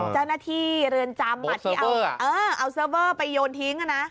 จ้านาธีเรือนจำเอาเซิเวอร์ไปโยนทิ้ง